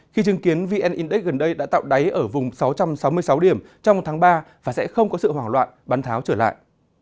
khi chứng kiến vn index gần đây đã tạo đáy ở vùng sáu trăm sáu mươi sáu điểm trong tháng ba và sẽ không có sự hoảng loạn bắn tháo trở lại